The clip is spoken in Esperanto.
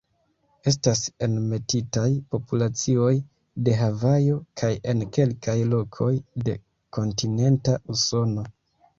Estas enmetitaj populacioj de Havajo kaj en kelkaj lokoj de kontinenta Usono.